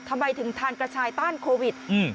ทำไมถึงทานกระชายต้านโควิด